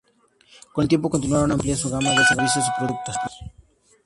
Con el tiempo, continuaron ampliando su gama de servicios y productos.